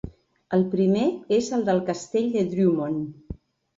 El primer és el del castell de Drummond.